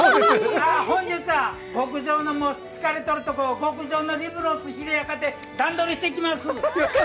本日は、疲れとるところ極上のリブロースを段取りしていきます。